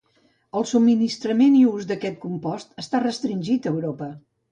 El subministrament i ús d'aquest compost està restringit a Europa.